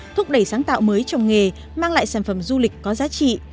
thúc đẩy sáng tạo mới trong nghề mang lại sản phẩm du lịch có giá trị